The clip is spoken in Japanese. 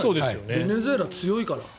ベネズエラ強いから。